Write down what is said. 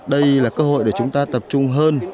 đây là cơ hội để chúng ta tập trung hơn